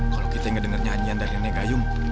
kalo kita gak denger nyanyian dari nenek gayung